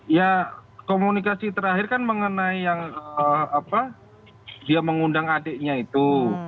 ya komunikasi terakhir kan mengenai yang dia mengundang adiknya itu